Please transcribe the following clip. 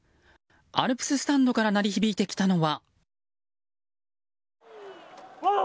アルプススタンドから鳴り響いてきたのは。